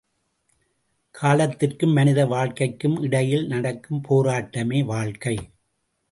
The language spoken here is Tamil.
காலத்திற்கும் மனித வாழ்க்கைக்கும் இடையில் நடக்கும் போராட்டமே வாழ்க்கை!